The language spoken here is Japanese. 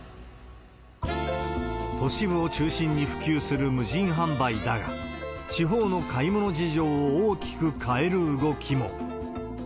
都市部を中心に普及する無人販売だが、地方の買い物事情を大きく変える動きも。